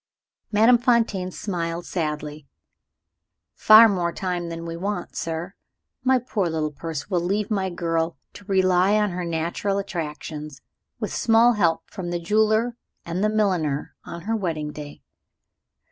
Madame Fontaine smiled sadly. "Far more time than we want, sir. My poor little purse will leave my girl to rely on her natural attractions with small help from the jeweler and the milliner, on her wedding day."